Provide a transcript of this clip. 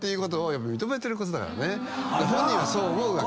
本人はそう思うわけ。